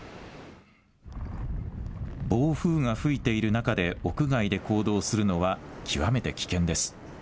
暴風が吹いている中で屋外で行動するのは極めて危険です。